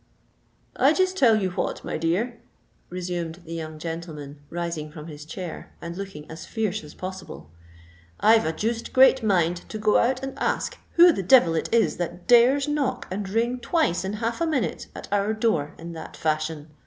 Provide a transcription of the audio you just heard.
"I just tell you what, my dear," resumed the young gentleman, rising from his chair, and looking as fierce as possible: "I've a deuced great mind to go out and ask who the devil it is that dares knock and ring twice in half a minute at our door in that fashion.